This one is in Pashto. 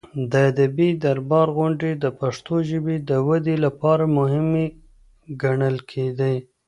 د ادبي دربار غونډې د پښتو ژبې د ودې لپاره مهمې ګڼل کېدې.